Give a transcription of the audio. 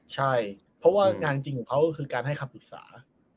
ใช่เพราะว่างานจริงของเขาก็คือการให้คำปรึกษา